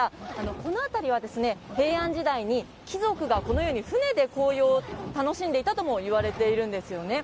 この辺りは、平安時代に貴族が、このように船で紅葉を楽しんでいたともいわれているんですよね。